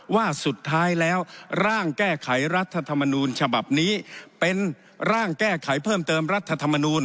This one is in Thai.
ว่าสุดท้ายแล้วร่างแก้ไขรัฐธรรมนูญฉบับนี้เป็นร่างแก้ไขเพิ่มเติมรัฐธรรมนูล